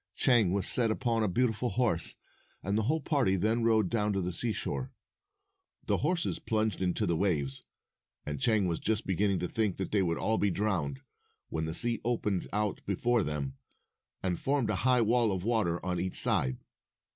Chang was set upon a beautiful horse, and the whole party then rode down to the seashore. 248 The horses plunged into the waves, and Chang was just beginning to think that they would all be drowned, when the sea opened out before them, and formed a high wall of water on each side.